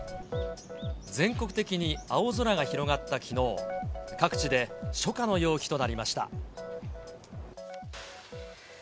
全国的に青空が広がったきのう、各地で初夏の陽気となりました。